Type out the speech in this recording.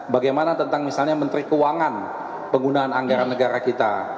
bagaimana tentang misalnya menteri keuangan penggunaan anggaran negara kita